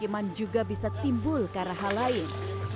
pemakaian di permukaan juga bisa timbul ke arah hal lain